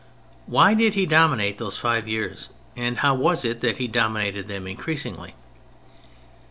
Why did he dominate those five years, and how was it that he dominated them in creasingly